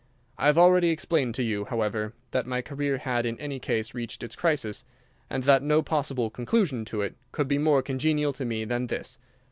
I have already explained to you, however, that my career had in any case reached its crisis, and that no possible conclusion to it could be more congenial to me than this.